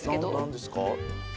何ですか？